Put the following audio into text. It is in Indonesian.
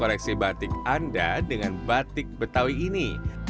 koleksi batik anda dengan batik betawi ini